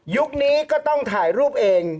นี้ก็ต้องถ่ายรูปเอง